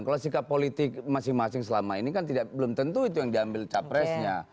kalau sikap politik masing masing selama ini kan belum tentu itu yang diambil capresnya